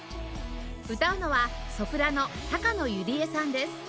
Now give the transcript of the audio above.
歌うのはソプラノ高野百合絵さんです